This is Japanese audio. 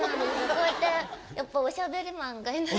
こうやってやっぱおしゃべりマンがいないと。